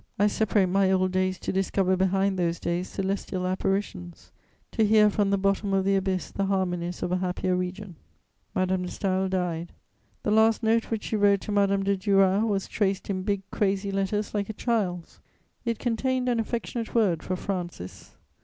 I separate my old days to discover behind those days celestial apparitions, to hear from the bottom of the abyss the harmonies of a happier region. Madame de Staël died. The last note which she wrote to Madame de Duras was traced in big crazy letters, like a child's. It contained an affectionate word for "Francis."